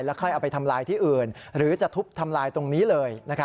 ใครเอาไปทำลายที่อื่นหรือจะทุบทำลายตรงนี้เลย